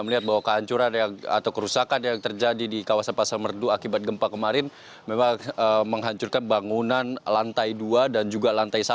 itu akibat gempa kemarin memang menghancurkan bangunan lantai dua dan juga lantai satu